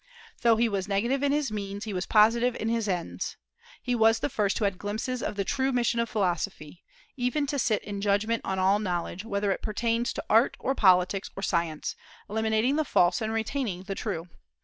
"Though he was negative in his means, he was positive in his ends." He was the first who had glimpses of the true mission of philosophy, even to sit in judgment on all knowledge, whether it pertains to art, or politics, or science; eliminating the false and retaining the true.